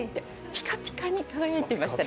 ピカピカに輝いてましたね。